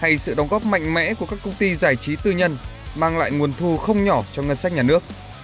hay sự đóng góp mạnh mẽ của các công ty giải trí tư nhân mang lại nguồn thu không nhỏ cho ngân sách nhà nước